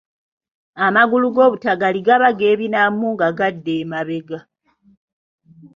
Amagulu g’obutagali gaba geebinamu nga gadda emabega.